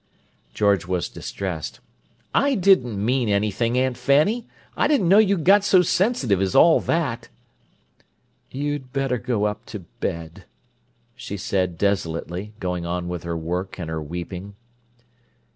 George was distressed. "I didn't mean anything, Aunt Fanny! I didn't know you'd got so sensitive as all that." "You'd better go up to bed," she said desolately, going on with her work and her weeping.